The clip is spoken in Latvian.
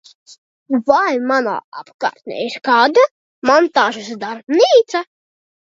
Vai manā apkārtnē ir kāda montāžas darbnīca?